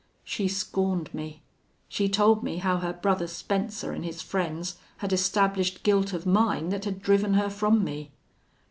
She scorned me. She told me how her brother Spencer an' his friends had established guilt of mine that had driven her from me.